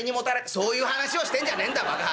「そういう話をしてんじゃねんだバカ。